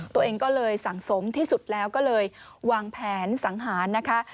ตัวเองก็เลยสั่งสมที่สุดแล้วก็เลยวางแผนสังหารนะคะ